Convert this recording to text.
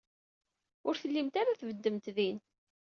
Ur tellimt ara tbeddemt din.